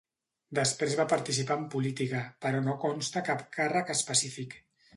Després va participar en política, però no consta cap càrrec específic.